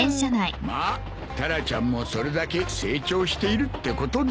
まあタラちゃんもそれだけ成長しているってことだ。